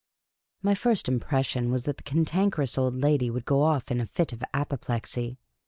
My first impression was that the Cantankerous Old Lady would go off in a fit of apoplexy.